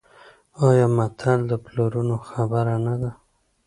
آیا متل د پلرونو خبره نه ده؟